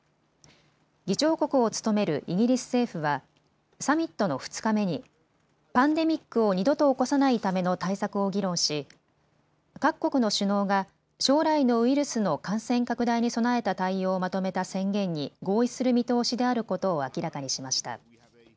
議長国を務めるイギリス政府はサミットの２日目にパンデミックを二度と起こさないための対策を議論し各国の首脳が将来のウイルスの感染拡大に備えた対応をまとめた宣言に合意する見通しであることを明らかにしました。